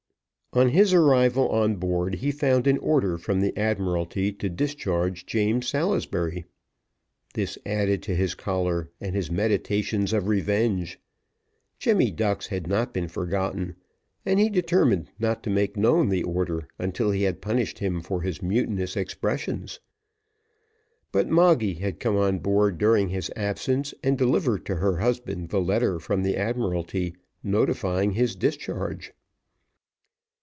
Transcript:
On his arrival on board, he found an order from the Admiralty to discharge James Salisbury. This added to his choler and his meditations of revenge. Jemmy Ducks had not been forgotten; and he determined not to make known the order until he had punished him for his mutinous expressions; but Moggy had come on board during his absence, and delivered to her husband the letter from the Admiralty notifying his discharge.